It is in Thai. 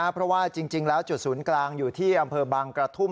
เพราะว่าจริงแล้วจุดศูนย์กลางอยู่ที่อำเภอบางกระทุ่ม